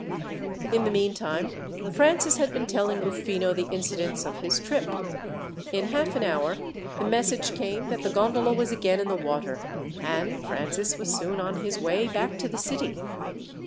In the meantime, Francis had been telling Rufino the incidents of his trip. In half an hour, the message came that the gondola was again in the water, and Francis was soon on his way back to the city.